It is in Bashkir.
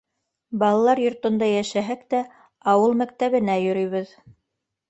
Балалар йортонда йәшәһәк тә, ауыл мәктәбенә йөрөйбөҙ.